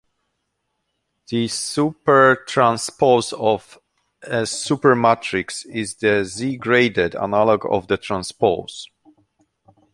The supertranspose of a supermatrix is the Z-graded analog of the transpose.